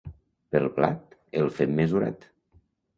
Pel blat, el fem mesurat.